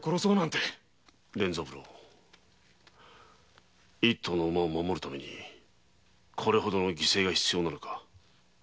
連三郎一頭の馬を守るためにこれほどの犠牲が必要なのか。